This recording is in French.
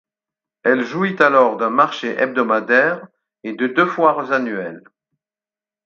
Elle jouit alors d'un marché hebdomadaire et de deux foires annuelles.